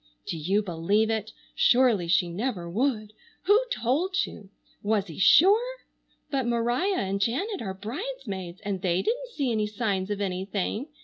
Do you believe it? Surely she never would. Who told you? Was he sure? But Maria and Janet are bridesmaids and they didn't see any signs of anything.